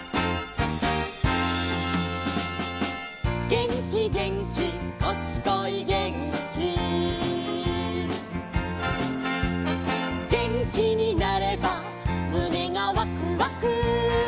「げんきげんきこっちこいげんき」「げんきになればむねがワクワク」